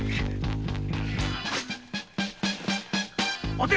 待て！